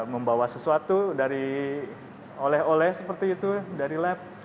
membawa sesuatu oleh oleh seperti itu dari lab